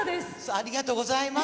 ありがとうございます。